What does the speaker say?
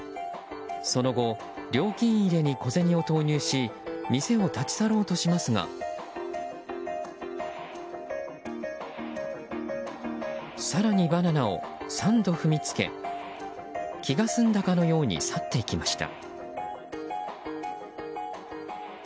その後、料金入れに小銭を投入し店を立ち去ろうとしますが更にバナナを３度踏みつけ気が済んだかのように去っていきました。